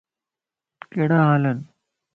ڪھڙا ھالن؟